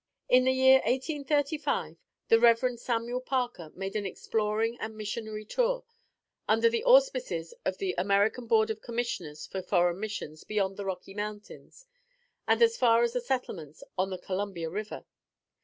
] "In the year 1835, the Rev. Samuel Parker made an exploring and missionary tour, under the auspices of the American Board of Commissioners for Foreign Missions, beyond the Rocky Mountains, and as far as the settlements on the Columbia River.